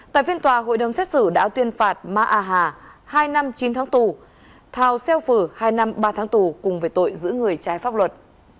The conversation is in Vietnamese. tại phiên tòa hội đồng xét xử đã tuyên phạt ma a hà hai năm chín tháng tù thào xeo phử hai năm ba tháng tù cùng với tội giữ người trái pháp luật